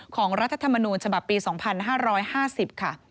รัฐธรรมนูญฉบับปี๒๕๕๐ค่ะ